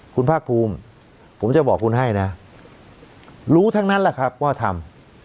คุณภาคภูมิผมจะบอกคุณให้นะรู้ทั้งนั้นแหละครับว่าทำ